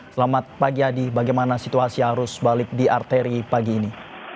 selamat pagi adi bagaimana situasi arus balik di arteri pagi ini